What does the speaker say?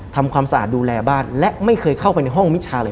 ทำความสะอาดดูแลบ้านและไม่เคยเข้าไปในห้องมิชาเลย